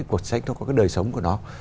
cuộc sách nó có cái đời sống của nó